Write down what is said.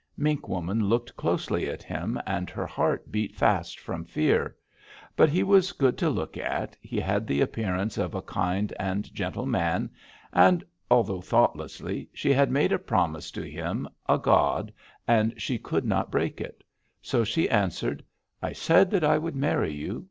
"Mink Woman looked closely at him, and her heart beat fast from fear. But he was good to look at, he had the appearance of a kind and gentle man, and although thoughtlessly she had made a promise to him, a god, and she could not break it. So she answered: 'I said that I would marry you.